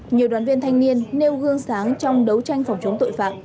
nhiều đoàn viên thanh niên nêu gương sáng trong đấu tranh phòng chống tội phạm